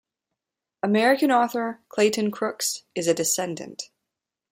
American author, Clayton Crooks, is a descendant.